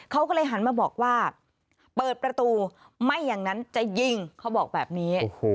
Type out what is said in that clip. เขาก็เลยหันมาบอกว่าเปิดประตูไม่อย่างนั้นจะยิงเขาบอกแบบนี้